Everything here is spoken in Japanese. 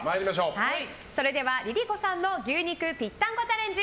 それではＬｉＬｉＣｏさんの牛肉ぴったんこチャレンジ